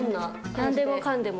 なんでもかんでも。